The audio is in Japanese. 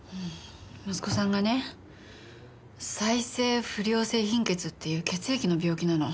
息子さんがね再生不良性貧血っていう血液の病気なの。